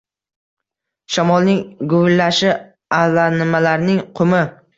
Shamolning guvillashi, allanimalarning qumi.